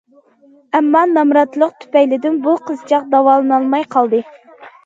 ئەمما نامراتلىق تۈپەيلىدىن بۇ قىزچاق داۋالىنالماي قالدى.